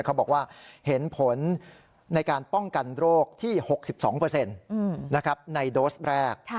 เขาบอกว่าเห็นผลในการป้องกันโรคที่๖๒ในโดสแรก